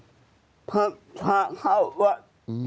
ทำทางเข้าวัด